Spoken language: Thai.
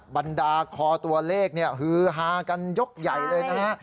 บรรดาคอตัวเลขเนี่ยฮือฮากันยกใหญ่เลยนะฮะ